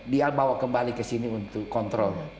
dia bawa kembali kesini untuk kontrol